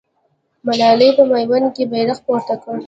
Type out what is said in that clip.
ملالۍ په میوند کې بیرغ پورته کړ.